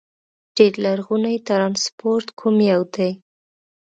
ډېر لرغونی ترانسپورت کوم یو دي؟